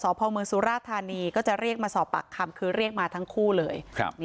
พ่อเมืองสุราธานีก็จะเรียกมาสอบปากคำคือเรียกมาทั้งคู่เลย